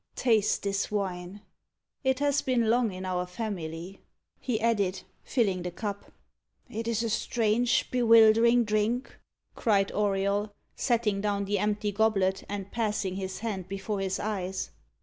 "Taste this wine it has been long in our family," he added, filling the cup. "It is a strange, bewildering drink," cried Auriol, setting down the empty goblet, and passing his hand before his eyes.